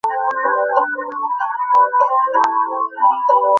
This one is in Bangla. বাড়ির দুঃখের কথা তখনো মনে তাজা ছিল।